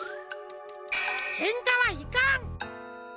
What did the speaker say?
けんかはいかん。